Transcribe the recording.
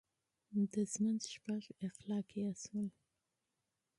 د ژوند شپږ اخلاقي اصول: